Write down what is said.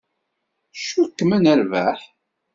Tcukkem ad nerbeḥ?